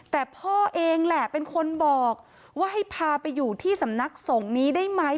แต่พ่อเองแหละเป็นคนบอกว่าให้พาไปอยู่ที่สำนักสงฆ์นี้ได้ไหม